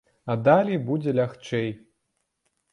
А далей будзе лягчэй.